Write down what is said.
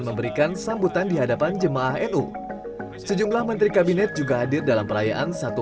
memberikan sambutan di hadapan jemaah nu sejumlah menteri kabinet juga hadir dalam perayaan satu